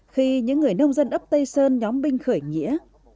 khi những người nông dân ấp tây sơn nhóm binh khởi nghĩa